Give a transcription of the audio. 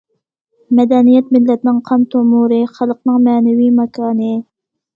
مەدەنىيەت مىللەتنىڭ قان تومۇرى، خەلقنىڭ مەنىۋى ماكانى.